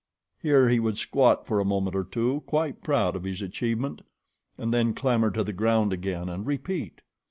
Here he would squat for a moment or two, quite proud of his achievement, then clamber to the ground again and repeat.